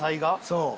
そう。